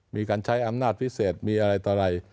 มีการใช้อำนาจพิเศษมีอะไรต่ออะไร